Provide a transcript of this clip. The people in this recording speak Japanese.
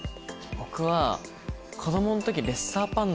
僕は。